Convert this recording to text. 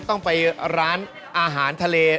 ต้องไปร้านอาหารทะเล